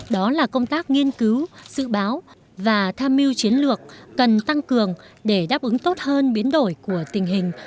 đó là công tác nghiên cứu dự báo và tham mưu chiến lược cần tăng cường để đáp ứng tốt hơn biến đổi của tình hình